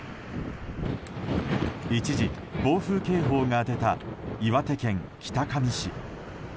一時、暴風警報が出た岩手県北上市。